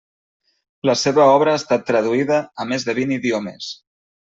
La seva obra ha estat traduïda a més de vint idiomes.